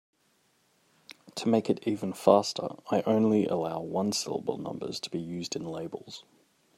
To make it even faster, I only allow one-syllable numbers to be used in labels.